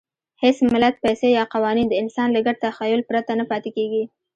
هېڅ ملت، پیسې یا قوانین د انسان له ګډ تخیل پرته نه پاتې کېږي.